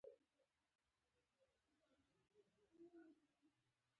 وسله باید د ماشوم زړونه ونه ډاروي